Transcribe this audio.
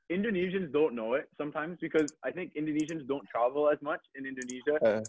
indonesia ga tahu karena indonesia ga terlalu banyak jalan di indonesia